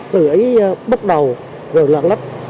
từ ấy bắt đầu rồi lạc lách